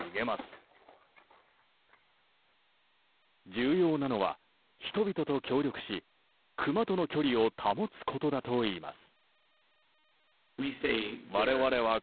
重要なのは人々と協力しクマとの距離を保つことだといいます。